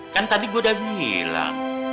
kan tadi gue udah bilang